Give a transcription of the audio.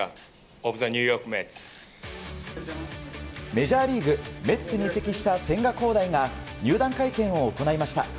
メジャーリーグメッツに移籍した千賀滉大が入団会見を行いました。